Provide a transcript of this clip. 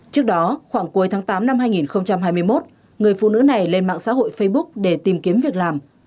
trước đó khoảng cuối tháng tám năm hai nghìn hai mươi một người phụ nữ này lên mạng xã hội facebook để tìm kiếm việc làm